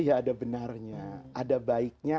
ada benarnya ada baiknya